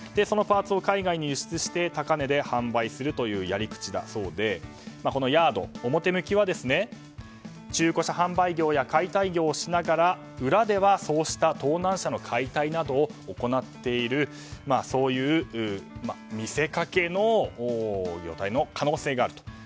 そのパーツを海外に輸出して高値で販売するというやり口だそうでこのヤード、表向きは中古車販売業や解体業をしながら裏ではそうした盗難車の解体などを行っている見せかけの業態の可能性があると。